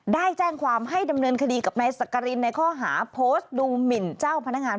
ได้แจ้งความให้ดำเนินคดีกับนายสักกรินในข้อหาโพสต์ดูหมินเจ้าพนักงาน